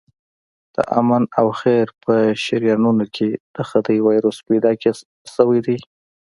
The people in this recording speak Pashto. د آمن او خیر په شریانونو کې د خدۍ وایروس پیدا شوی دی.